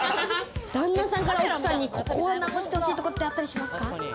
旦那さんから奥さんにここを直してほしいとこってあったりしますか？